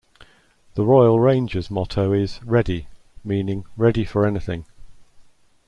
The Royal Rangers motto is "Ready", meaning "Ready for anything!